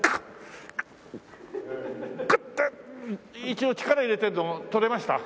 一応力入れてるの撮れました？